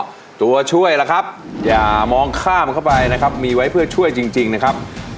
ตัวช่วยล่ะครับอย่ามองข้ามเข้าไปนะครับมีไว้เพื่อช่วยจริงนะครับ